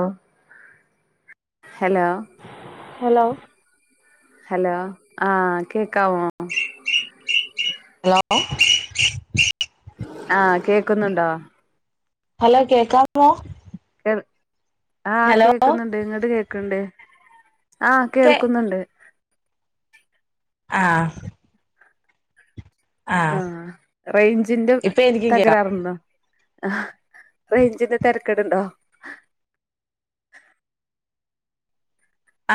ഓ hello hello hello ആ കേക്കാവോ hello ആകേക്കുന്നുണ്ടോ ഹലോ കേക്കാമോ [unintelligible] ആ ഹലോ കേക്കുന്നുണ്ട് ഇങ്ങട് കേക്ക കേൾക്കന്നുണ്ട് ആ കേ കേൾക്കുന്നുണ്ട് ആ ആ റേഞ്ചിൻ്റെ ഇപ്പൊ എനിക്കും കേക്കാം തകരാറുണ്ടോ അഹ് റേഞ്ചിൻ്റെ തരക്കേടുണ്ടോ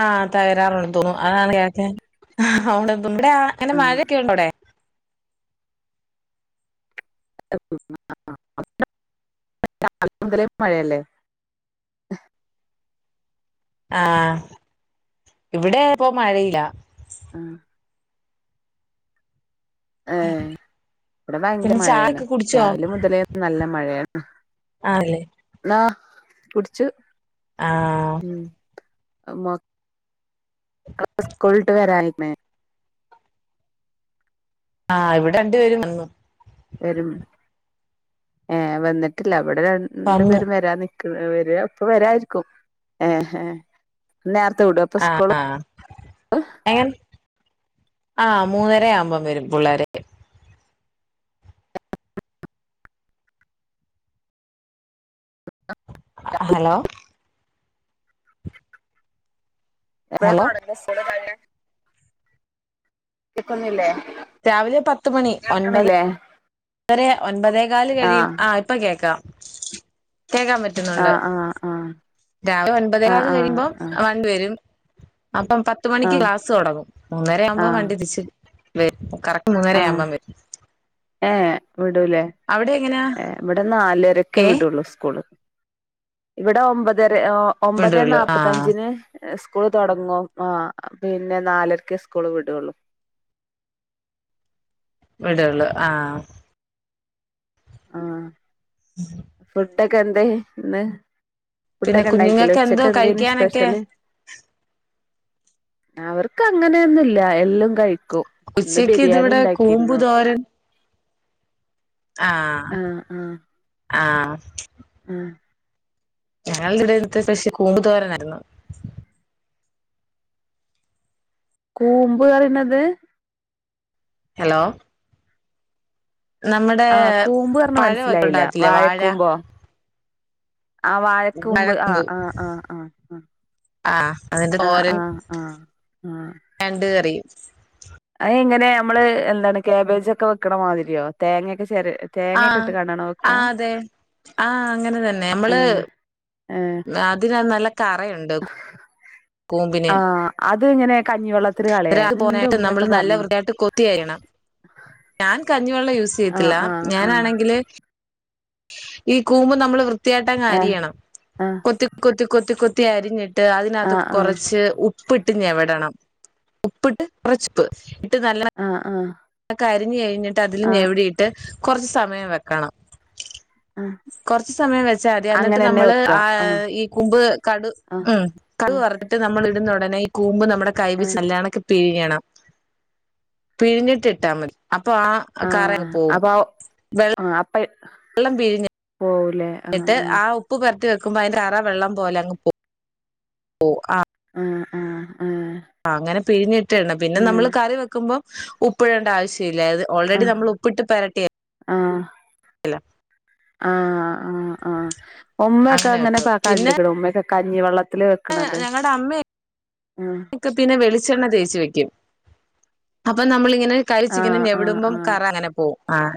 ആ തകരാറുണ്ട് തോന്നുന്നു അതാണ് കേക്കാഞ്ഞെ ആ അ വൊണ്ടൊ എവിടെ ആ അങ്ങനെ ആഹ് മഴക്കെ ഉണ്ടോ അവടെ? [unintelligible] രാവിലെ മുതലേ മഴയല്ലേ ആണ് ഇവിടെ ഇപ്പോ മഴയില്ല ആഹ് ഏഹ് ഇവടെ ഭയങ്കര പിന്നെ മഴയാണ് ചായൊക്കെ കുടിച്ചോ രാവിലെ മുതലേ നല്ല മഴയാണ് അഹ് ആണല്ലേ അഹ് കുടിച്ചു ആഹ് ഉം മൊ മക്കളൊക്കെ സ്കൂള് വിട്ട് വരായിന് ആ ഇവിടെ രണ്ട് പേരും വന്നു വരും ഏഹേ വന്നിട്ടില്ല ഇവടെ രണ്ട് വന്നു പേരും വരാൻ നി വരാ ഇപ്പോ വരായിരിക്കും ഏഹേ നേർത്തവിടോ ഇപ്പൊസ്കുള്? ആഹ് എങ്ങനെ ആഹ് മുന്ന് ആര ആവുമ്പോ വരും പിള്ളാര് ഹലോ എപ്പഴാ ഹലോ തൊടങ്ങാ ഉസ്കൂള് [unintelligible] കേക്കുന്നില്ലേ? രാവിലെ പത്ത് മണി ഒൻപത് കേൾക്കണില്ലേ [unintelligible] ഒൻപതെ കാല് കഴിയും ആഹ് ഇപ്പോ കേക്കാം കേക്കാൻ പറ്റുന്നുണ്ട് ആഹ് ആഹ് ആഹ് രാവിലെ ഒൻപതെ കാല് ആഹ് കഴിയുമ്പോ ആഹ് വണ്ടി വരും അപ്പം പത്തു മണിക്ക് ആഹ് ക്ലാസ്സ്‌ തൊടങ്ങും മൂന്നര ആഹ് ആവുമ്പോ ആഹ് വണ്ടി തിരിച്ച് വെരും കറക് ഒന്നര ആവുമ്പോ വരും ഏ വിടൂല്ലേ അവിടെ എങ്ങനാ ഏ ഇവിടെ നാലരക്കേ ഏ വിടൂള്ളു സ്കൂള് ഇവിടെ ഒമ്പതെര രെ ഓ ഒൻപതേ വിടൊള്ളു ആഹ് നാപ്പത്തഞ്ചിന് ഏ സ്കൂൾ തൊടങ്ങും ആഹ് പിന്നെ നാലരക്ക് ഉസ്കൂള് വിടോള്ളൂ വിടോള്ളൂ ആഹ്. ആഹ് ഇം ഫുഡാക്കെ എന്തേയ് ഇന്ന്? പിന്നെ ഫുഡൊക്കെ ഉണ്ടാക്കില്ലേ കുഞ്ഞിങ്ങക്കെന്തുവ ഉച്ചക്ക് എന്തേനി കഴിക്കാനൊക്കെ? അവർക്കങ്ങനെ ഒന്നും ഇല്ല എല്ലൊം കഴി ഉച്ച‌ക്കിതിവിടെ കൂമ്പ് തോരൻ ആഹ് ആഹ് ആഹ് ആഹ് ആഹ് ഞങ്ങൾടിവിടെത്തെ സ്പെഷ്യൽ കൂമ്പ് തോരനായിരുന്നു. കൂമ്പ് പറയണത് ഹലോ നമ്മടേ ആഹ് കൂമ്പ് പറഞ്ഞ പഴവൊക്കെ മനസ്സിലായില്ല ഒണ്ടാകത്തില്ലേ വാഴ വാഴക്കൂമ്പോ ആഹ് വാഴക്കൂമ്പ് ആഹ് ആഹ് ആഹ് ആഹ് ആഹ് അതിന്റെ ആഹ് ആഹ് തോരൻ ആഹ് ആഹ് ആഹ് ഞണ്ട് കറി അതെങ്ങനെയാ നമ്മള് എന്താണ് ക്യാബേജൊക്കെ വെക്കണമാതിരിയോ തേങ്ങേക്ക ആഹ് ആഹ് അതെ ആഹ് അങ്ങനെതന്നെ നമ്മള് ഏഹ് ഏഹ് അതിനത്ത് നല്ല കറയോണ്ട് കു ആ അ അത് ഇങ്ങനെ കഞ്ഞിവെള്ളത്തിൽ കളയാൻ അത് ന്റെ പോനായിട്ട് ഉമ്മ നമ്മൾ നല്ല വൃത്തിയായി കൊത്തിയരിയണം ഞാൻ കഞ്ഞി വെള്ളം യൂസ് ആഹ് ചെയ്യത്തില്ല ആഹ് ഞാൻ ആണെങ്കില് ഈ കൂമ്പ് നമ്മള് വ്യത്തി- ത്തിയായിട്ട് ആഹ് അരിയണം ഏഹ് കൊത്തി കൊത്തി കൊത്തി ത്തി അരിഞ്ഞി ട്ട് അതിനകത്ത് ആഹ് ആഹ് കൊറച്ച് ഉപ്പി- ട്ട് ഞെവെടണം ഉപ്പിട്ട് കുറച്ച് ഉപ്പ് അ അ അരിഞ്ഞ് കഴിഞ്ഞി- ട്ട് അതിൽ ഞെവിടിട്ട് കൊറച്ച് സമയം വെക്കണം ആഹ് കൊറച്ച് സമയം വച്ചാൽ മതി എന്നിട്ട് അങ്ങനെന്നെ നമ്മള് വെക്കാ ആഹ് ഊ കൂമ്പ് കടു ആഹ് ഉം കടു ആഹ് വറുത്തിട്ട് നമ്മള് ഉടനെ കൂമ്പ് നമ്മൾ കൈ വെച്ച് ആഹ് നന്നായി പിഴിഞ്ഞ് ഴിയണം പിഴിഞ്ഞിട്ട് ഇട്ടാ മതി അപ്പോൾ ആ കറ ആഹ് അങ്ങ് പോകും അപ്പൊ വെള്ള- ആഹ് അപ്പ വെള്ളം പിഴിഞ്ഞ് പോവൂലേ ആഹ് ന്നിട്ട് ആഹ് ആ ഉപ്പ് പെരിട്ടി വെയ് ക്കുമ്പോ അ കറ വെള്ളം പോലങ്ങ് പോകും പോകും അ അ ആ ആ അങ്ങനെ പിഴിഞ്ഞിട്ട് ഇടണം പിന്നെ നമ്മള് കറി വെയ്ക്കുമ്പോ ഉപ്പ് ഇടണ്ട ആവശ്യ ഇല്ല ഓൾറെഡി നമ്മൾ ഉപ്പിട്ട് പെരട്ടിയല്ലോ ആ ഇല്ല ആ ആ അ ഉമ്മയൊക്കെ അങ്ങനെ കണ്ടിക്ക്ണൂ ഉമ്മയൊക്കെ കത്തി വെള്ള ഞങ്ങടെ ആഹ് അമ്മയൊക്കെ പിന്നെ വെളിച്ചെണ്ണ തേച്ച് വെയ്ക്കും അപ്പന്നമ്മളിങ്ങ ങ്ങനെ കരിച്ചിഗ് ആഹ് ആഹ് നെഞ്ഞെവ്ടുംബം ആഹ് കറ അങ്ങനെ പോവും ആാാ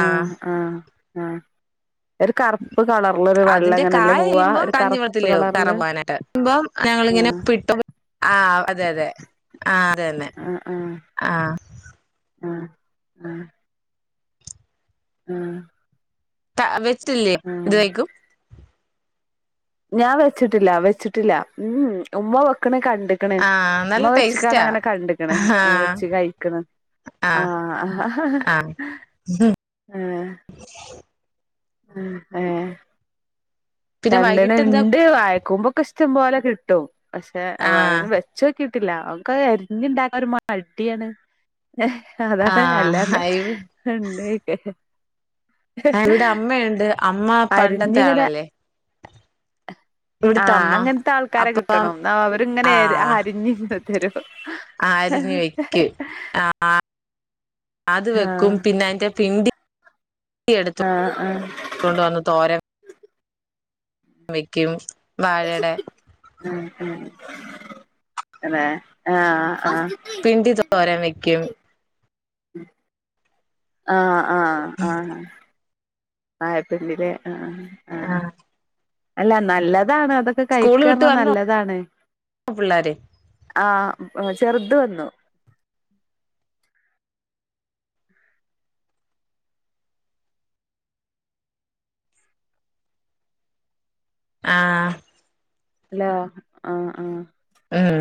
ആഹ് ആ ആ അതിന്റെ പോവാ കയയിമ്പം ഒരു കഞ്ഞി കറുപ്പ് വെള്ളത്തിലിയോ കളറില് കറപൂവാനായിട്ട് ഇമ്പം ഞങ്ങളിങ്ങനെ ആഹ് ആഹ് അതെ അതെ അതന്നെ ആഹ് ആഹ് ആഹ് ആഹ് ആഹ് ആഹ് ത്ത അ വെ സ്റ്റില്ലേ ആഹ് ഇതവെക്കും ഞാൻ വെച്ചിട്ടില്ല വെച്ചിട്ടില്ല മ്മ് ഉമ്മവെക്കണെ കണ് ണ്ട്ക്ക്‌ണ് ആഹ് നല്ല ഉമ്മവെച്ച്ക്കാണ്ട് ടേസ്റ്റാ അങ്ങനെ കണ്ട്ക്ക്‌ണ് ആഹ് ആ വെച്ച്കൈക്കണ് ആ ആഹ് അഹ ഹ് ആഹ് ഹ് ഹ് ഉം ഏ പിന്നെ വൈകിട്ട് എന്താ രണ്ട്ണണ്ട് വായക്കൂമ്പൊക്കെ ഇഷ് ട്ടം പോലെകിട്ടും പഷേ ആഹ് വാഴനെ വെച്ചോക്കി ട്ടില്ല ഒക്കെ എരീഞ്ണ്ടാക്കാൻ ഒര് മൾ ടിയാണ് ഏഹ്ഹ്‌ അതാണ് അല്ലാണണ്ടെ ആഹ് ഏ ഇവിടമ്മയുണ്ട് അമ്മാ പണ്ടത്തെ ആളല്ലേ ആ ഇവിടുത്തെ ആ അമ്മ അങ്ങൻത്ത ആൾക്കാരെ അപ്പം കിട്ടണം അവര് ഇങ്ങനെഇര് അരിഞ് തരും ആരിഞ്വെക്യെ ആ ആഹ് അത് വെക്കും ആഹ് പിന്നെ അയ്‌ന്റെ പിണ്ടി എടുത്തു ആഹ് ആഹ് തോണ്ട് വന്ന് തോരൻ വെക്കും വാഴയുടെ മ്മ്മ് മ്മ് തന്നെ ആഹ് ആ പിണ്ടി തോരൻ വെക്കും ആ ആ ആ ആഴപിണ്ടിലെ ആ എല്ല നല്ല ദാണ് അതെക്കെ കഴിക്കാറിനത് വന്നോ നല്ലാതാണ് പിള്ളാര് ആ ചെറുത് വന്നു ആ ഹലോ ആ അ ഉം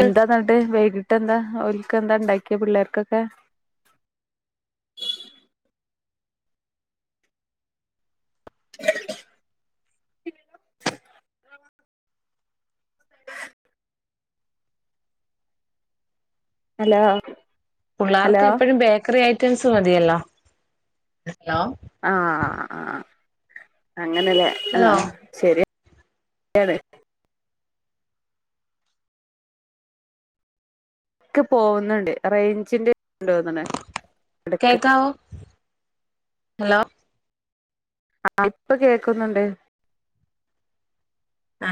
എന്താന്ന്ട്ട് വൈകി- എന്നിട്ട് എന്താ ഓൽക്കെന്താ ണ്ടാക്കേ പിള്ളേർക്കൊക്കേ [unintelligible] ഹലോ ഹലോ പിള്ളേർക്കെപ്പഴും ബേക്കറി ആ- ഐറ്റംസ് മതിയല്ലോ ആ അങ്ങനെ ലേ ആ ഹലോ ശരിയാണ് ഏത് ഇടയ്ക്കു പോവുന്നുണ്ട് റെയ്ഞ്ചിൻ്റെ തോന്ന്ണ് എടക്ക് കേക്കാവോ ഹലോ ആ ഇപ്പോ കേക്കുന്നുണ്ട് ആ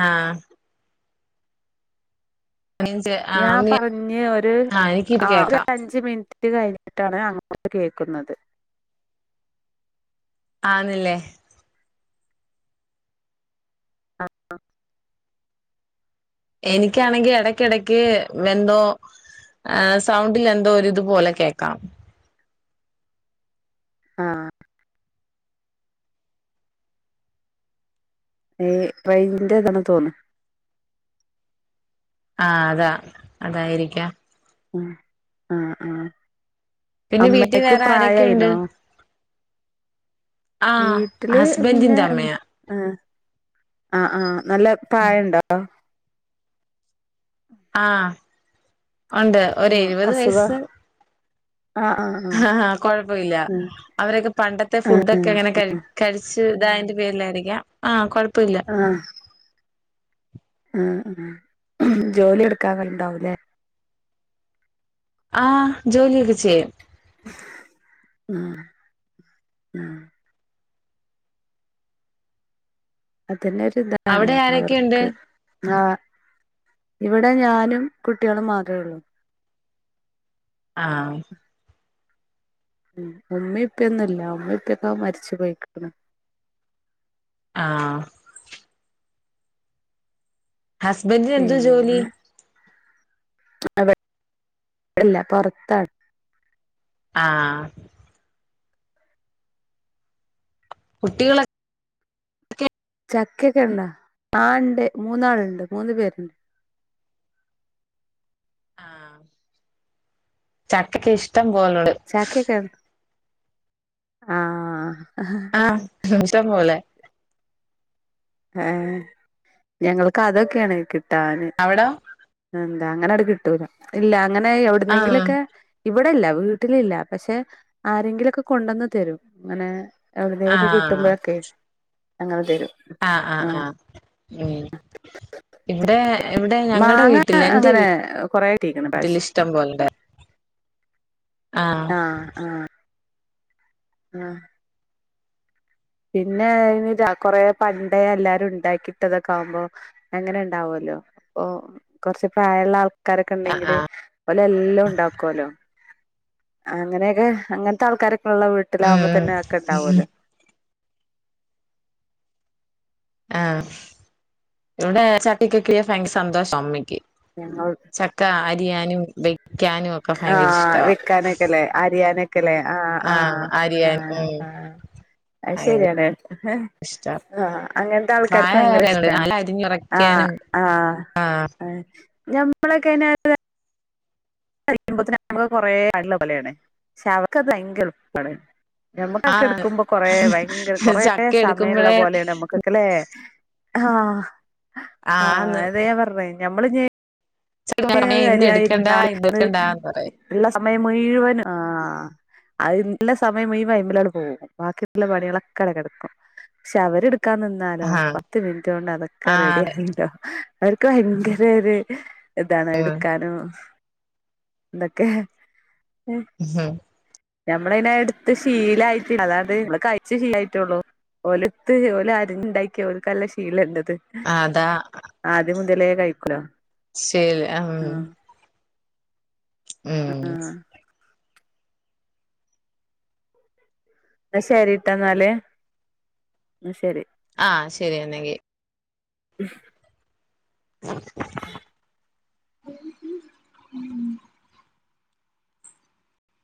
ഞാൻ ആഹ് പറഞ്ഞ് ഒരു ആഹ് എനിക്കിപ്പ കേക്കാം ആഴ്ച മിന്ട്ട് കഴിഞ്ഞിട്ടാണ് അങ്ങോട്ട് കേക്കുന്നത് ആ അത്‌ല്ലേ എനിക്കാണെങ്കി എടക്കെടക്ക് എന്തോ ഏ സൗണ്ടിലെന്തോ രിതു പോലെ കേക്കാം ആ ഏ റെയ്ഞ്ചിൻ്റെതാണ് തോന്ന് ആ അതാ അതായിരിക്കാം ഉം അ ആ പിന്നെ വീട്ടിൽ വേറെ ആരൊക്കെണ്ട് വീട്ടിൽ പിന്നെ ഹസ്ബൻഡിന്റെ ഉം അമ്മയാ ഏ അ ആ നല്ല പ്രായണ്ടോ ആ ഒണ്ട് ഒരു ആഹ് എഴുവത് അസുഖം വയസ്സ് ആഹ് ആഹ് ആഹ് ആ കൊഴപ്പമില്ല ഉം അവരൊക്കെ പണ്ടത്തെ ഉം ഫുഡൊക്കെങ്ങനെ കഴി- കഴിച്ച് ചെറുതായിൻ്റെ പേരിലായിരിക്കാം ആ കൊഴപ്പമില്ല ആ ജോലി എടുക്കാൻ കഴിയുന്നുണ്ടാവും ഇല്ലേ ആ ജോലിയൊക്കെ ചെയ്യും ആ ആ [unintelligible] എല്ലാരും ഇതൊക്ക ആണ് അവിടെ ആരൊക്കെയുണ്ട് അവർക്ക് ഹാ ഇവിടെ ഞാനും കുട്ട്യേളും മാത്രേള്ളൂ ആഹ് ഉം ഉമ്മീം ഉപ്പേം ഒന്നുല്ല ഉമ്മേം ഉപ്പെക്കെ മരിച്ച് പൊയ്ക്ണ് ആഹ് ഹസ്ബൻറ്റിനെന്ത് ജോലി? അവ വടെല്ല പൊറത്താണ് ആഹ് കുട്ടികള ചക്കെക്കെണ്ട ആ ണ്ട് മൂന്നാൾണ്ട് മൂന്ന് പേര്ണ്ട് ആഹ് ചക്കെക്കെ ഇഷ് ട്ടം പോലെണ്ട് ചക്കയൊക്കെ ആഹ് ആഹ് [unintelligible] ട്ടം പോലെ ആഹ് ഞങ്ങൾക്കതൊക്കെണ് കി ട്ടാന് അവിടോ ആഹ് അങ്ങനട് കിട്ടൂല്ല ഇല്ലാ ങ്ങനെ ആഹ് എവ്ട്നെങ്കിലൊക്കെ ഇവ് ഇവടെല്ല വീട്ടിലില്ല പഷേ ആരെങ്കിലൊക്കെ കൊണ്ടന്ന് തരും ങ്ങനെ എവ്ട്നേലൊക്കെ ആഹ് കിട്ടുമ്പഴൊക്കെ അങ്ങനെ തെരും അ അ ആ ഏഹ് ഇവിടെ ഇവിടെ ഞങ്ങൾടെ മാങ്ങ വീട്ടില് എന്റെ അങ്ങനെ കൊറേ കിട്ടീക്ക്ണ് വീട്ടില് ഇപ്രാവശ്യം ഇഷ്ടം പോലെണ്ട് ആഹ് ആ ആഹ് ആഹ് പിന്നേ ര കൊറേ പണ്ടേ എല്ലാരും ണ്ടാക്കിട്ടതൊക്കാവുമ്പോ അങ്ങനെ ണ്ടാവോലോ ഓ കൊർച് പ്രായള്ളാൾ ക്കാരൊക്കെ ആഹ് ആഹ് ണ്ടെങ്കില് ഓലെല്ലോംണ്ടാക്കോലോ അങ്ങനെക്കെ അങ്ങനത്തെ ആൾക്കാരൊ ക്കെള്ള വീട്ടിലാവുമ്പോ ഉം തന്നെ അതൊക്കെ ഉം ണ്ടാവോലോ ആ ഇവ്ടെ [unintelligible] സന്തോഷാ അമ്മയ്ക്ക്‌ ഞങ്ങൾ [unintelligible] വെ ആഹ് വെക്കാനൊക്കെല്ലേ അരിയാനൊ ക്കെല്ലേ ആ ആ ആഹ് അരിയാൻ ആഹ് ഉം ആഹ് ഭയങ്കര അയ്ശെരിയാണ് ഇഷ്ടാ ആ അങ്ങനെത്തെ ആള്ക്കാര്ക്ക് ഭയങ്കര പ്രായായവരായോണ്ട് ഇഷ്ടാണ് നല്ല ആ അരിഞ്ഞുറക്കാനും ആഹ് ഞമ്മളൊക്കെ [unintelligible] [unintelligible] അവർക്കത് ഭയങ്കര എളുപ്പാണ് ആഹ് ഞമ്മക്കൊക്കെടക്കുമ്പോ കൊറേ ഭയങ്കര കൊറേ ചക്ക എടുക്കുമ്പഴേ സമയള്ളപോലേണ് ഞമ്മക്കൊക്കെലെ ആഹ് ആ ആന്ന് അതെ ഞാപർ ഞമ്മള്ഞ്ഞീ ചക്ക അമ്മേ അത് ഇന്ന് അറിയാൻ എടുക്കണ്ട ഇര്ന്നാ ഇന്ന് എടുക്കണ്ടാന്ന് [unintelligible] പറയും ള്ള സമയം മുയ്‌വനും ആഹ് ള്ള സമയം മുയ്‌വനും ഐമലങ്ങട്ട് പോവും ബാക്കിള്ള പണ്യാളൊക്കെ അവടെ കടക്കും ക്ഷെഅവര്ട് ക്കാൻ നിന്നാലോ ആഹ് പത്ത് മിന്റ്റൊണ്ടതൊക്കെ ആഹ് അതെ റെഡ്യാക്കീറ്റ്ണ്ടാവും അവര്ക്ക് ഭയങ്കര ഒര് താണ് എട്ക്കാനും ന്തക്കെ മ്മ് ഞമ്മളൈനത് ഇട്ത്ത് ശീലയ്റ്റില്ല കയിച്ച് ശീലയിറ്റൊള്ളു. ഓല്ട്ത്ത് ഓല് അരിഞ്ഞണ്ടാക്കി ഓൽക്കല്ല ശീലണ്ട്. ത് അതാ ആദ്യം മുതലേ കൈക്കുലോ അം അആഹ് ന്നാ ശെരി ട്ടാ ന്നാല് ന്നാ ശെരി ആഹ് ശെരി എന്നങ്കി മ്മ് [unintelligible] [unintelligible] [unintelligible]